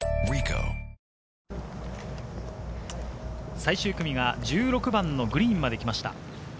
最終組が１６番のグリーンまで来ました。